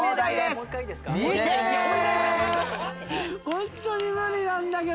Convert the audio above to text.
ホントに無理なんだけど！